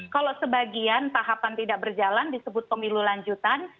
kalau sebagian tahapan tidak berjalan disebut pemilu lanjutan